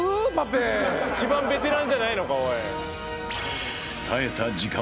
一番ベテランじゃないのかおい。